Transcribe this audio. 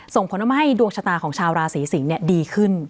ส่งผลทำให้ดวงชะตาของชาวราศีสิงศ์ดีขึ้น